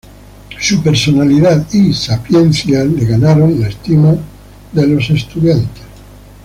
Su personalidad y su sapiencia le ganaron la estima de los estudiantes.